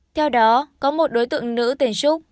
theo đó có một đối tượng nữ tiền trúc